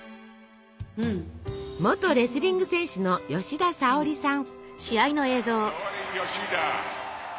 元レスリング選手の吉田沙保里さん。